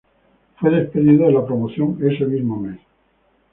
Fue despedido de la promoción ese mismo mes.